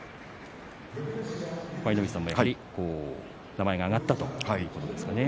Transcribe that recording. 舞の海さんも、やはり名前が挙がったということですかね。